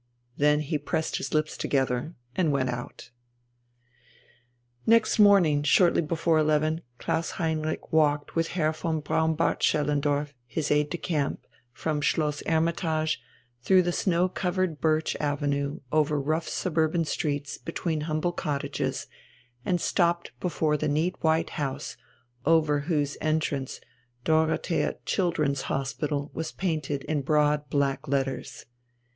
Then he pressed his lips together and went out. Next morning shortly before eleven Klaus Heinrich walked with Herr von Braunbart Schellendorf, his aide de camp, from Schloss "Hermitage" through the snow covered birch avenue over rough suburban streets between humble cottages, and stopped before the neat white house over whose entrance "Dorothea Children's Hospital" was painted in broad black letters.